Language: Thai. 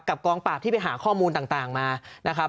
กองปราบที่ไปหาข้อมูลต่างมานะครับ